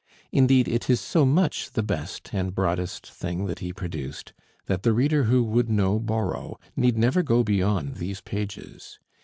Indeed, it is so much the best and broadest thing that he produced, that the reader who would know Borrow need never go beyond these pages.